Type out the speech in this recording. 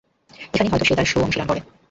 এখানেই হয়তো সে তার শো অনুশীলন করে।